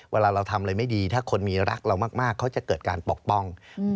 เวลาเราทำอะไรไม่ดีถ้าคนมีรักเรามากเขาจะเกิดการปกป้อง